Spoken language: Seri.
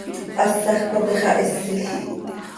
Hasaj cop ixahisil.